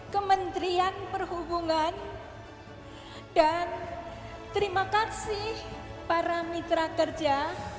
kementerian perhubungan dan terima kasih para mitra kerja